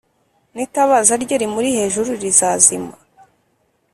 n’itabaza rye rimuri hejuru rizazima